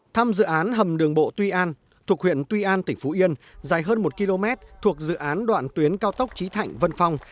thăm dự án hầm đường bộ tuy an thuộc huyện tuy an tỉnh phú yên dài hơn một km thuộc dự án đoạn tuyến cao tốc trí thạnh vân phong